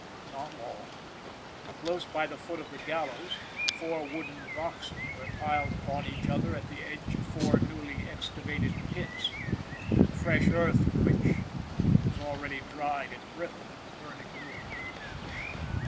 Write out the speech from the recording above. Not all. Close by the foot of the gallows four wooden boxes were piled upon each other at the edge of four newly excavated pits, the fresh earth of which was already dried and brittle in the burning noon.